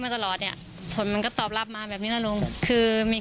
อาจารย์หนักใจไหมเพราะว่าเราสู้คดีนะ